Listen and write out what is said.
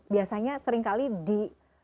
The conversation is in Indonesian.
biasanya seringkali di